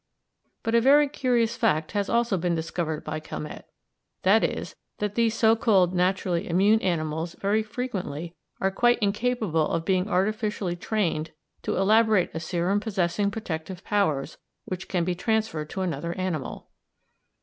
But a very curious fact has also been discovered by Calmette i.e. that these so called naturally immune animals very frequently are quite incapable of being artificially trained to elaborate a serum possessing protective powers which can be transferred to another animal.